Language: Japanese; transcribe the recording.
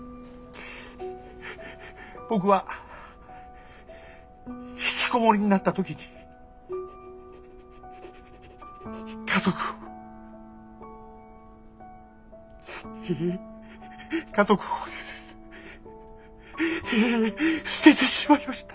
僕はひきこもりになった時に家族を家族をすええ捨ててしまいました。